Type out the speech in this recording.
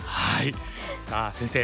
さあ先生